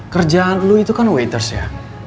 kerjaan lo itu kan waitress ya